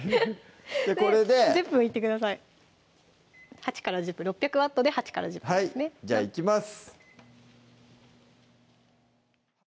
これで１０分いってください６００Ｗで８１０分ですねじゃいきます